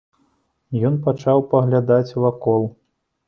Ён пачаў паглядаць вакол.